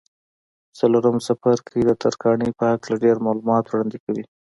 څلورم څپرکی د ترکاڼۍ په هکله ډېر معلومات وړاندې کوي.